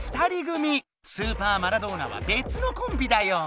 スーパーマラドーナはべつのコンビだよ。